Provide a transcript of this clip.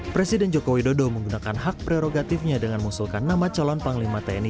presiden joko widodo menggunakan hak prerogatifnya dengan mengusulkan nama calon panglima tni